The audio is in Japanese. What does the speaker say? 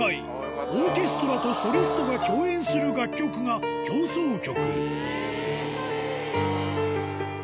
オーケストラとソリストが共演する楽曲が協奏曲。